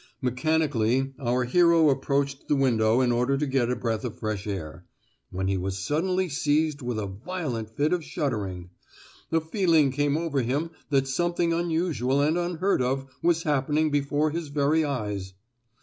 Mechanically our hero approached the window in order to get a breath of fresh air—when he was suddenly seized with a violent fit of shuddering;—a feeling came over him that something unusual and unheard of was happening before his very eyes.